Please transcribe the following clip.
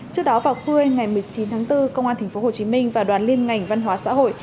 trước đó vào khuya ngày một mươi chín tháng bốn công an tp hcm và đoàn liên ngành văn hóa xã hội